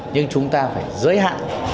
nhưng chúng ta phải giới hạn